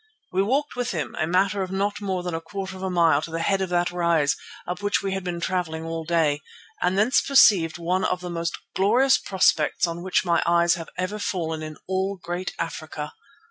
We walked with him, a matter of not more than a quarter of a mile to the head of that rise up which we had been travelling all day, and thence perceived one of the most glorious prospects on which my eyes have fallen in all great Africa.